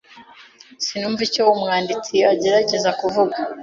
Sinumva icyo umwanditsi agerageza kuvuga.